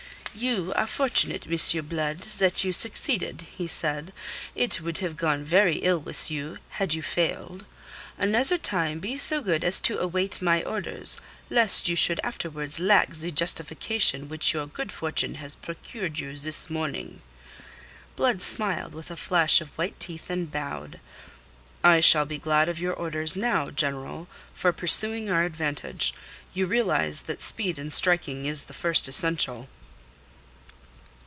"You are fortunate, M. Blood, that you succeeded," he said. "It would have gone very ill with you had you failed. Another time be so good as to await my orders, lest you should afterwards lack the justification which your good fortune has procured you this morning." Blood smiled with a flash of white teeth, and bowed. "I shall be glad of your orders now, General, for pursuing our advantage. You realize that speed in striking is the first essential."